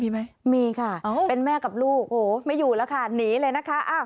มีไหมมีค่ะเป็นแม่กับลูกโอ้โหไม่อยู่แล้วค่ะหนีเลยนะคะ